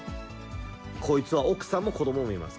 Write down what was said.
こいつは奥さんも子どももいます。